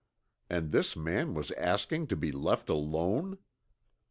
And this man was asking to be left alone!